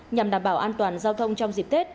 nhằm đảm bảo an toàn giao thông trong dịp tết